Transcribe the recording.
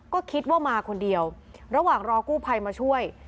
ก็คิดว่ามาคนเดียวระหว่างรอกู้ภัยมาช่วย